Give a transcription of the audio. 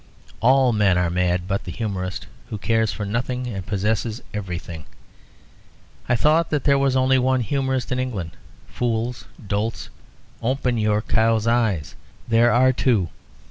All men are mad but the humorist, who cares for nothing and possesses everything. I thought that there was only one humorist in England. Fools! dolts! open your cows' eyes; there are two!